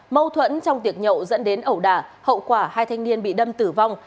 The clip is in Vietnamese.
mâu thuẫn trong tiệc nhậu dẫn đến ẩu đả hậu quả hai thanh niên bị đâm tử vong